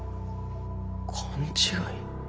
勘違い？